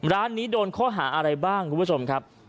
ร้านนี้โดนข้อหาอะไรบ้างคุณผู้ชมครับ